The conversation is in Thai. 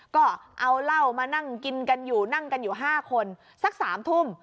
ก็เอาเหล้ามานั่งกินกันอยู่นั่งกันอยู่๕คนสัก๓ทุ่ม